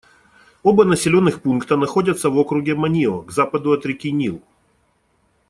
Оба населенных пункта находятся в округе Манио, к западу от реки Нил.